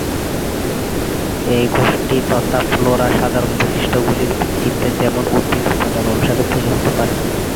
এই গোষ্ঠী তথা ফ্লোরা সাধারণ বৈশিষ্ট্যগুলির ভিত্তিতে যেমন উদ্ভিদের উপাদান অনুসারে তৈরি হতে পারে।